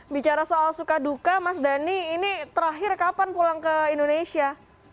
bicara soal suka duka mas dhani ini terakhir kapan pulang ke indonesia